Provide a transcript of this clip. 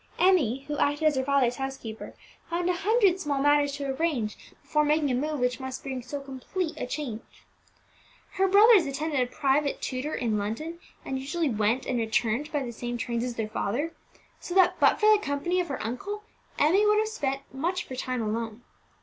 Emmie, who acted as her father's housekeeper, found a hundred small matters to arrange before making a move which must bring so complete a change. Her brothers attended a private tutor in London, and usually went and returned by the same trains as their father; so that, but for the company of her uncle, Emmie would have spent much of her time alone.